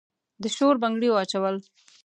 د شور بنګړي واچول